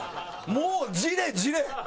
もう「ジレ」「ジレ」！